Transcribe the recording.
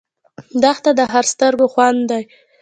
دښته د هر سترګو خوند دی.